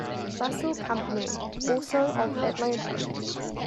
Russell Company, also of Atlanta.